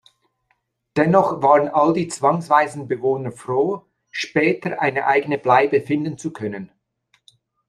Dennoch waren all die zwangsweisen Bewohner froh, später eine eigene Bleibe finden zu können.